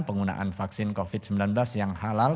penggunaan vaksin covid sembilan belas yang halal